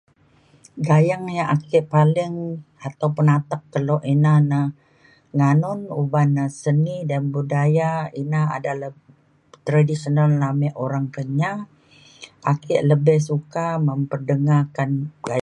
gayeng yak ake paling ataupun atek kelo ina na nganun uban na seni dan budaya ina adalah le- traditional ame orang Kenyah ake lebih suka memperdengarkan gayeng